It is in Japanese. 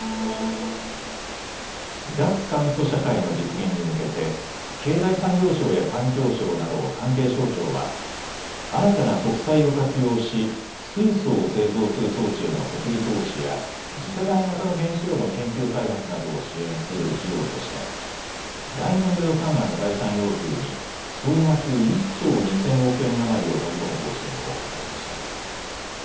脱炭素社会の実現に向けて経済産業省や環境省など関係省庁は新たな国債を活用し水素を製造する装置への設備投資や次世代型の原子炉の研究開発などを支援する費用として来年度予算案の概算要求に総額１兆２０００億円余りを盛り込む方針を固めました。